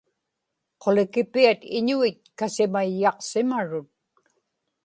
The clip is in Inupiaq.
qulikipiat iñuit kasimayyaqsimarut